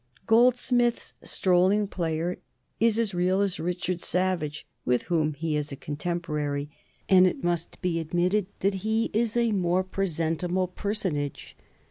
Goldsmith's strolling player is as real as Richard Savage, with whom he is contemporary, and it must be admitted that he is a more presentable personage.